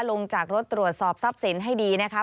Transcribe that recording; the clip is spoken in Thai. ลงจากรถตรวจสอบทรัพย์สินให้ดีนะคะ